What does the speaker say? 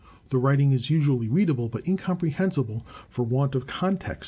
The writing is usually readable, but incomprehensible for want of context.